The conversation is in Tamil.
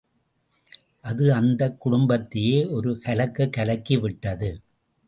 அது அந்தக் குடும்பத்தையே ஒரு கலக்குக் கலக்கிவிட்டது.